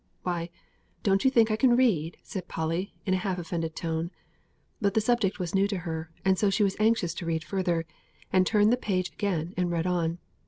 "Why, don't you think I can read?" said Polly, in a half offended tone. But the subject was new to her, and so she was anxious to read further, and turned to the page again and read on.